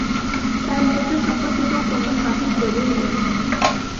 তার মৃত্যু সম্পর্কিত কোনো সঠিক দলিল নেই।